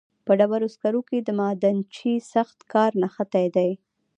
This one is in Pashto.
په ډبرو سکرو کې د معدنچي سخت کار نغښتی دی